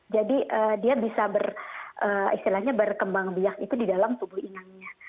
jadi dia bisa beristilahnya berkembang biak itu di dalam tubuh inangnya